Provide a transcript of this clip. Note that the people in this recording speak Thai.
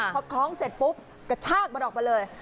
พอคล้องเสร็จปุ๊บกระชากมันออกมาเลย